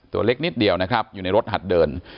ตัวเล็กนิดเดียวนะครับอยู่ในรถหัดเดิน